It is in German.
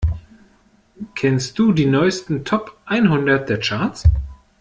Kennst du die neusten Top einhundert der Charts?